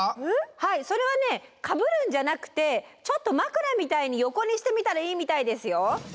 はいそれはねかぶるんじゃなくてちょっと枕みたいに横にしてみたらいいみたいですよ。